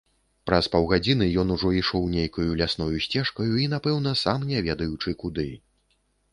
Праз паўгадзіны ён ужо ішоў нейкаю лясною сцежкаю, і напэўна сам не ведаючы куды.